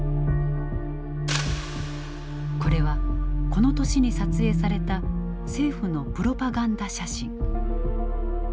これはこの年に撮影された政府のプロパガンダ写真。